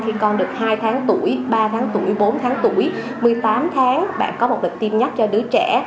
khi con được hai tháng tuổi ba tháng tuổi bốn tháng tuổi một mươi tám tháng bạn có một lịch tiêm nhắc cho đứa trẻ